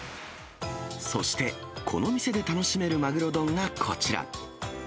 そして、この店で楽しめるマグロ丼がこちら。